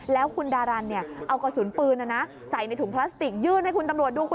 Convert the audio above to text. แล้วคุณดารันเอากระสุนปืนใส่ในถุงพลาสติกยื่นให้คุณตำรวจดูคุณ